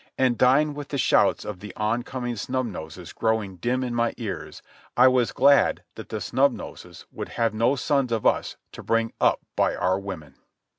And dying with the shouts of the oncoming Snub Noses growing dim in my ears, I was glad that the Snub Noses would have no sons of us to bring up by our women.